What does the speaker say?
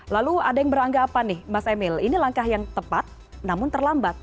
lalu ada yang beranggapan nih mas emil ini langkah yang tepat namun terlambat